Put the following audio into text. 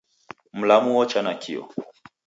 Mlamu wocha nakio